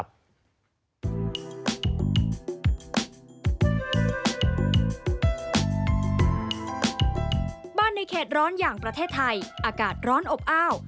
ในเขตร้อนอย่างประเทศไทยอากาศร้อนอบอ้าว